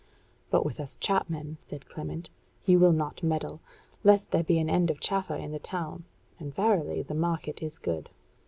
"But with us chapmen," said Clement, "he will not meddle, lest there be an end of chaffer in the town; and verily the market is good."